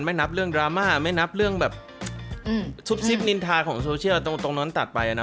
นับเรื่องดราม่าไม่นับเรื่องแบบซุบซิบนินทาของโซเชียลตรงนั้นตัดไปนะ